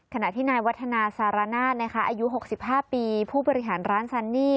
ขณะที่นายวัฒนาสารนาศอายุ๖๕ปีผู้บริหารร้านซันนี่